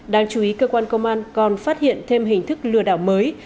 đáng chú ý cơ quan công an còn phát hiện thêm hình thức lừa đảo mới